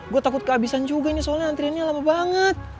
gue takut keabisan juga ini soalnya antriannya lama banget